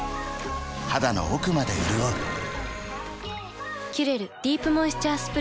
肌の奥まで潤う「キュレルディープモイスチャースプレー」